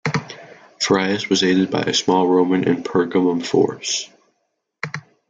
Phyrrhias was aided by a small Roman and Pergamum force.